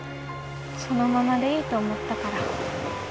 そのままでいいと思ったから。